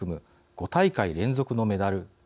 ５大会連続のメダル。